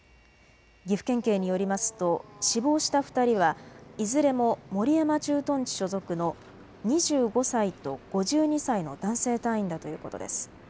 岐阜県警によりますと死亡した２人はいずれも守山駐屯地所属の２５歳と５２歳の男性隊員だということです。